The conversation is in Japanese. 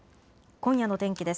今夜の天気です。